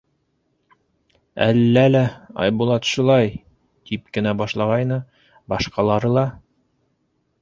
— Әлләлә, Айбулат, шулай! — тип кенә башлағайны, башҡалары ла: